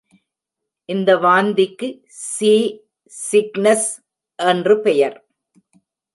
இந்த வாந்திக்கு sea sickness என்று பெயர்.